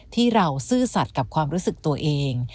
ที่เราซื่อสัตว์กับความรู้สึกตัวเอง